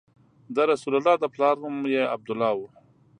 د رسول الله د پلار نوم یې عبدالله و.